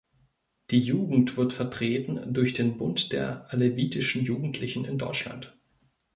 Die Jugend wird vertreten durch den Bund der Alevitischen Jugendlichen in Deutschland.